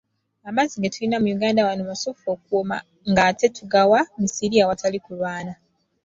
"Amazzi ge tulina e Uganda wano masuffu okuwooma, ng’ate tugawa misiri awatali kulwana."